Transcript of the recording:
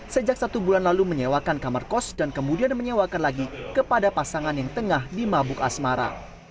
sejak satu bulan lalu menyewakan kamar kos dan kemudian menyewakan lagi kepada pasangan yang tengah di mabuk asmara